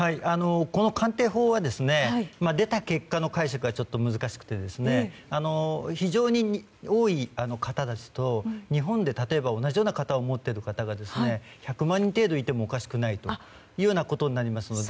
この鑑定法は出た結果の解釈がちょっと難しくて非常に多い型ですと日本で同じような型を持っている方が１００万人程度いてもおかしくないというようなことになりますので。